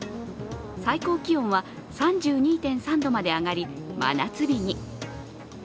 最高気温は３２．３度まで上がり真夏日に。